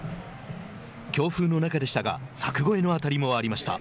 強風の中でしたが柵越えの当たりもありました。